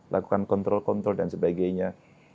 lakukan kontrol kontrol dan sebagainya